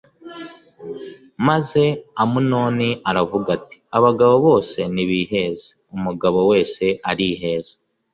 maze Amunoni aravuga ati “Abagabo bose nibīheze.” Umugabo wese arīheza.